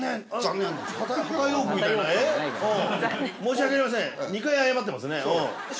「申し訳ありません！！」２回謝ってますね。